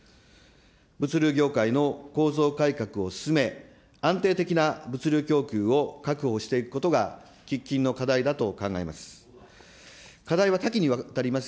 物流業界の構造改革を進め、安定的な物流供給を確保していくことが喫緊の課題だと考えます。